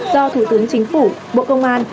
do thủ tướng chính phủ bộ công an